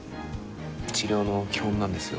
治療の基本なんですよ。